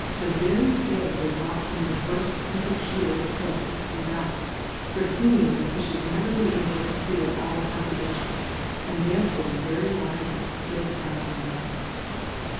The very Day they brought him tlie tirll printed Sheet of his Book, he dyM ; forefeeing that he fliould never be able to clear all the Contradiftions, and thereiore very wifely Dipt out of the way.